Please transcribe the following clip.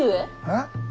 えっ？